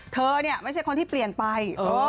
เธอเนี่ยไม่ใช่คนที่เปลี่ยนไป